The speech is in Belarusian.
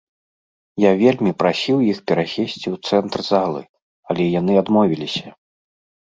Я вельмі прасіў іх перасесці ў цэнтр залы, але яны адмовіліся.